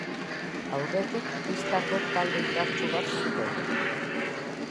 Aurretik pistako talde indartsu bat zuten.